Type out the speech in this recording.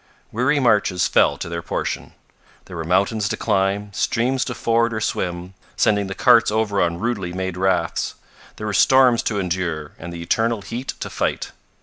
Weary marches fell to their portion. There were mountains to climb, streams to ford or swim, sending the carts over on rudely made rafts. There were storms to endure, and the eternal heat to fight.